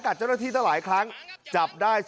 เรียนเรียนเรียนเรียน